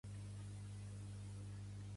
La serra semblava adormida, però?